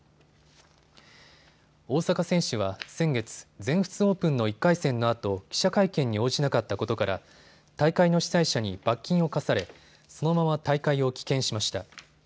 大坂選手は先月、全仏オープンの１回戦のあと記者会見に応じなかったことから大会の主催者に罰金を科され、そのまま大会を棄権しました。